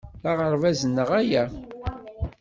D aɣerbaz-nneɣ aya.